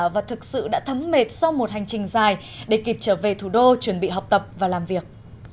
và thực sự đã thấm mệt sau một hành trình dài để kịp trở về thủ đô chuẩn bị học tập và làm việc